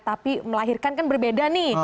tapi melahirkan kan berbeda nih